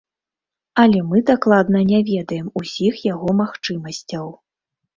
Але мы дакладна не ведаем усіх яго магчымасцяў.